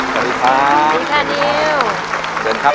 สวัสดีค่ะสวัสดีค่ะนิว